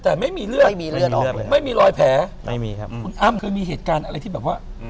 แต่ไม่มีเลือดออกเลยไม่มีรอยแผลฮะคุณอ้ำเคยมีเหตุการณ์อะไรที่บอกว่า